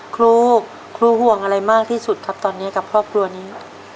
ครูครูห่วงอะไรมากที่สุดครับตอนนี้กับครอบครัวนี้